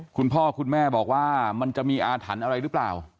คุณพ่อคุณแม่บอกว่ามันจะมีอาถรรพ์อะไรหรือเปล่า